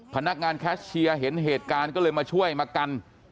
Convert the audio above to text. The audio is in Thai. พนักงานแคชเชียร์เห็นเหตุการณ์ก็เลยมาช่วยมากัน